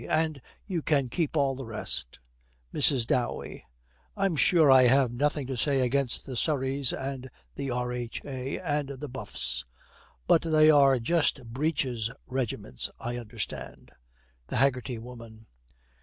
and you can keep all the rest.' MRS. DOWEY. 'I'm sure I have nothing to say against the Surreys and the R.H.A. and the Buffs; but they are just breeches regiments, I understand.' THE HAGGERTY WOMAN.